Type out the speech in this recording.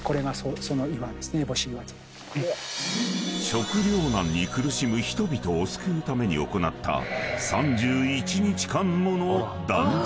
［食糧難に苦しむ人々を救うために行った３１日間もの断食］